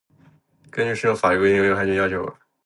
根据适用法律的规定，您有权要求我们：